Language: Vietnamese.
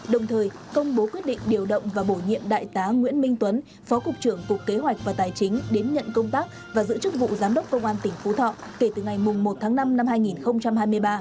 đồng thời công bố quyết định điều động và bổ nhiệm đại tá nguyễn minh tuấn phó cục trưởng cục kế hoạch và tài chính đến nhận công tác và giữ chức vụ giám đốc công an tỉnh phú thọ kể từ ngày một tháng năm năm hai nghìn hai mươi ba